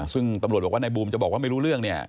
ซึ่งตำรวจบอกว่านายบูมจะบอกว่าไม่รู้เรื่องเนี่ย